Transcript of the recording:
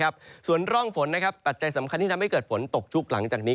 ส่วนร่องฝนปัจจัยสำคัญที่ทำให้เกิดฝนตกชุกหลังจากนี้